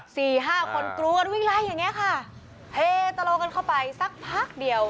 สี่ห้าคนกรูกันวิ่งไล่อย่างเงี้ยค่ะเฮตะโลกันเข้าไปสักพักเดียว